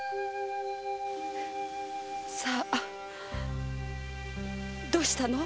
さぁどうしたの！